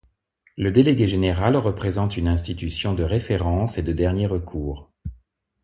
Le Délégué général représente une institution de référence et de dernier recours.